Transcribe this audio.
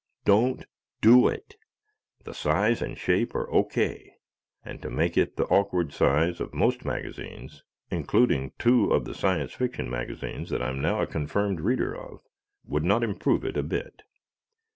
DON'T DO IT! The size and shape are O. K., and to make it the awkward size of most magazines (including two of the Science Fiction magazines that I am now a confirmed reader of), would not improve it a bit.